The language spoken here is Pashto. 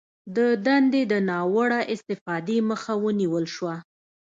د دندې د ناوړه استفادې مخه ونیول شوه